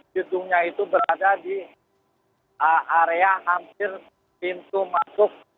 gedungnya itu berada di area hampir pintu masuk